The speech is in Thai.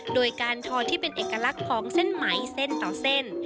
โดยการทอนที่เป็นเอกลักษณ์ของเส้นไหมเส้นต่อเส้น